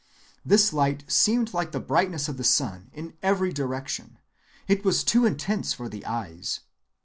This light seemed like the brightness of the sun in every direction. It was too intense for the eyes....